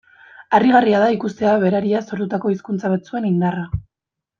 Harrigarria da ikustea berariaz sortutako hizkuntza batzuen indarra.